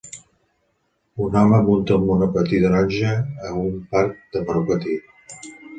Un home munta un monopatí taronja a un parc de monopatí.